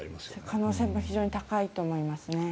可能性は非常に高いと思います。